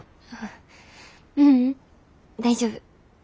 ううん大丈夫。